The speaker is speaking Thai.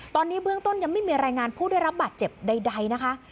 ตอนนี้เบื้องต้นยังไม่มีรายงานผู้ได้รับบาดเจ็บใดนะคะ